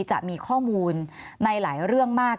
จะมีข้อมูลในหลายเรื่องมาก